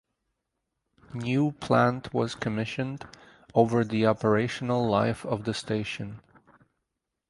New plant was commissioned over the operational life of the station.